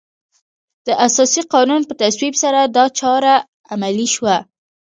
د اساسي قانون په تصویب سره دا چاره عملي شوه.